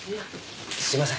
すいません。